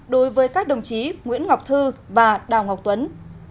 đối với các đồng chí nguyễn ngọc thư và đào ngọc tuấn